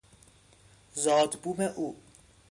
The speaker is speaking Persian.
زادبوم او